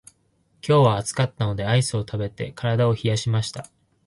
今日は暑かったのでアイスを食べて体を冷やしました。